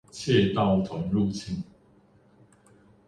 竊盜團入侵